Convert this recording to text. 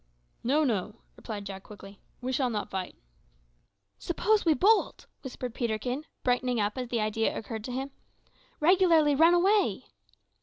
"No, no," replied Jack quickly; "we shall not fight." "Suppose we bolt!" whispered Peterkin, brightening up as the idea occurred to him "regularly run away!"